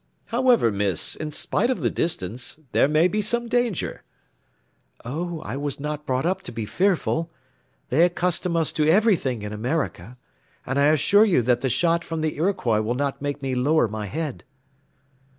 "However, miss, in spite of the distance, there may be some danger." "Oh, I was not brought up to be fearful; they accustom us to everything in America, and I assure you that the shot from the Iroquois will not make me lower my head."